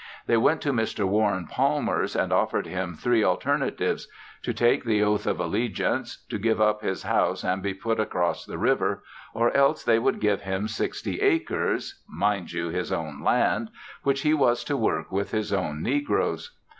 They went to Mr. Warren Palmer's and offered him three alternatives; to take the oath of allegiance; to give up his house and be put across the river, or else they would give him sixty acres (mind you, his own land!) which he was to work with his own negroes.